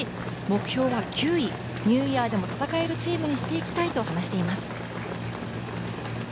目標は９位、ニューイヤーでも戦えるチームにしていきたいと話しています。